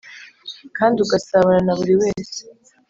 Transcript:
kandi ugasabana na buriwese